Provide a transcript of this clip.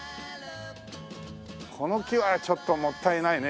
この木はちょっともったいないね。